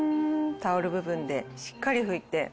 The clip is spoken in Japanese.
タオル部分でしっかり拭いて。